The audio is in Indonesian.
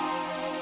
you telah mengerti